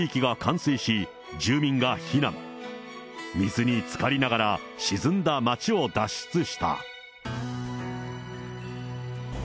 水につかりながら、沈んだ街を脱出した。